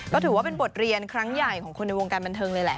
ก็ถือว่าเป็นบทเรียนครั้งใหญ่ของคนในวงการบันเทิงเลยแหละ